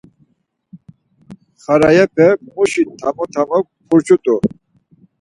Xarayepe muşi tamo tamo purcut̆u.